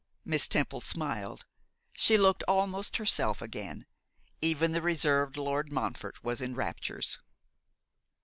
Miss Temple smiled; she looked almost herself again; even the reserved Lord Montfort was in raptures.